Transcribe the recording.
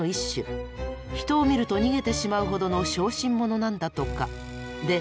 人を見ると逃げてしまうほどの小心者なんだとか。